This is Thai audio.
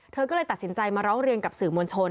เธอก็เลยตัดสินใจมาร้องเรียนกับสื่อมวลชน